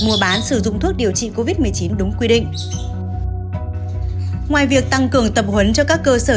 mua bán sử dụng thuốc điều trị covid một mươi chín đúng quy định ngoài việc tăng cường tập huấn cho các cơ sở